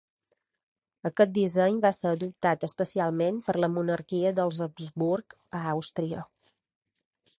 Aquest disseny va ser adoptat especialment per la monarquia dels Habsburg a Àustria.